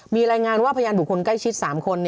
มีรายงานว่าพยานบุคคลใกล้ชิด๓คน